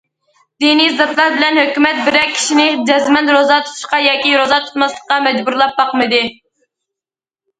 دىنىي زاتلار بىلەن ھۆكۈمەت بىرەر كىشىنى جەزمەن روزا تۇتۇشقا ياكى روزا تۇتماسلىققا مەجبۇرلاپ باقمىدى.